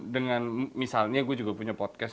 dengan misalnya gue juga punya podcast